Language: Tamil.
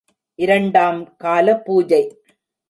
இரண்டாம் கால பூஜை.